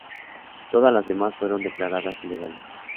Todas las demás fueron declaradas ilegales.